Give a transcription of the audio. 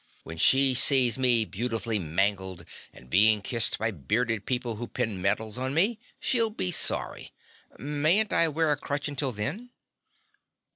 When she sees me beautifully mangled and being kissed by bearded people who pin medals on me she'll be sorry. Mayn't I wear a crutch until then?"